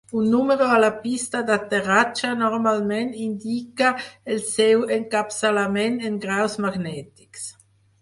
Un número a la pista d'aterratge normalment indica el seu encapçalament en graus magnètics.